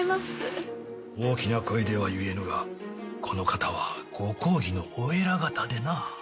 大きな声では言えぬがこの方はご公儀のお偉方でな。